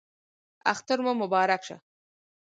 اختر مو مبارک شه